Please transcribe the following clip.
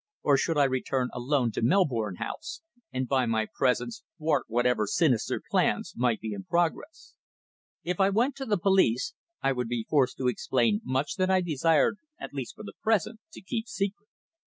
Or should I return alone to Melbourne House, and by my presence thwart whatever sinister plans might be in progress. If I went to the police I would be forced to explain much that I desired, at least for the present, to keep secret.